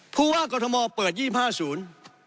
ผู้ว่ากรถมอบเปิด๒๕ศูนย์